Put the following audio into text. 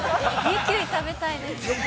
◆食べたいですね。